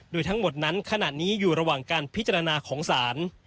โดยทั้งหมดนั้นขณะนี้อยู่ระหว่างการพิจารณาของศาล